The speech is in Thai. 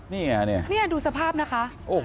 นี่ดูสภาพนะคะ